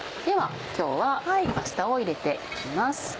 では今日はパスタを入れて行きます。